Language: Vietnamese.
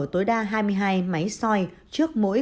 tối đa hai mươi hai máy soi trước mỗi